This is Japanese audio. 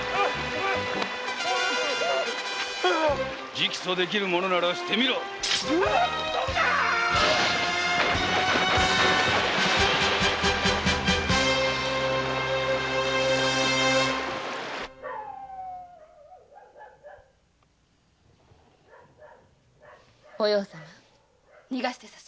直訴できるならしてみろお葉様逃がしてあげます。